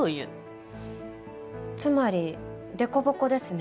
つまり凸凹ですね。